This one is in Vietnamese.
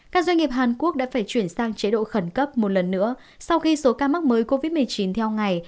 các doanh nghiệp hàn quốc đã phải chuyển sang chế độ khẩn cấp một lần nữa sau khi số ca mắc mới covid một mươi chín theo ngày